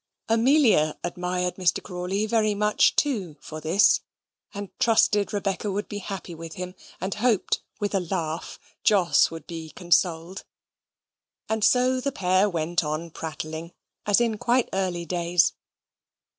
Amelia admired Mr. Crawley very much, too, for this; and trusted Rebecca would be happy with him, and hoped (with a laugh) Jos would be consoled. And so the pair went on prattling, as in quite early days.